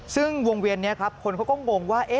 ซึ่งวงเวียนนี้ครับคนเขาก็งงว่า